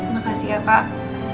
makasih ya kak